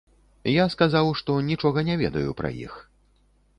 Я сказаў, што нічога не ведаю пра іх.